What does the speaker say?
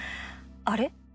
あれ？